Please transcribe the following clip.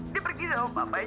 dia pergi sama papanya